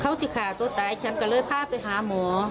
เขาจะขาดตัวตายฉันก็เลยพาไปหาหมอ